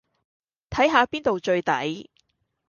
睇吓邊度最抵